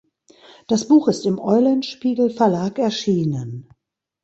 Das Buch ist im Eulenspiegel Verlag erschienen.